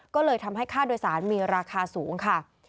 ก็เลยทำให้ค่าโดยสารมีราคาสูงค่ะ